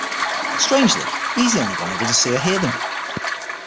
Strangely, he is the only one able to see or hear them.